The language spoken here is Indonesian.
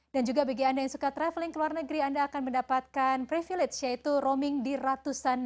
dan juga bagi anda yang suka traveling ke luar negeri anda akan mendapatkan privilege yaitu roaming di ratusan negara